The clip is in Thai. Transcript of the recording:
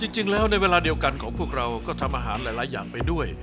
จริงแล้วในเวลาเดียวกันของพวกเราก็ทำอาหารหลายอย่างไปด้วย